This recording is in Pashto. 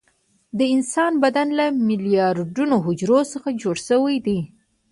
د انسان بدن له میلیارډونو حجرو څخه جوړ شوی دی